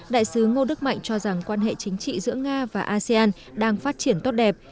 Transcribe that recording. đại sứ ngô đức mạnh cho rằng quan hệ chính trị giữa nga và asean đang phát triển tốt đẹp